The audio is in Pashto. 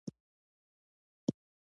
نو راته وويل تشويش مه کړه.